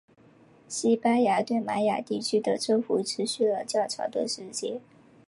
西班牙对玛雅地区的征服持续了较长的时间。